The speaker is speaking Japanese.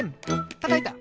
たたいた！